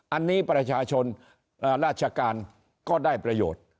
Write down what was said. อันนี้ประชาชนราชการก็ได้ประโยชน์